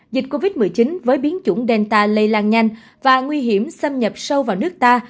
dịch covid một mươi chín với biến chủng delta lây lan nhanh và nguy hiểm xâm nhập sâu vào nước ta